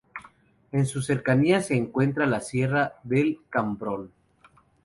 En sus cercanías se encuentra la Sierra del Cambrón.